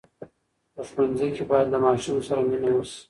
په ښوونځي کې باید له ماشوم سره مینه وسي.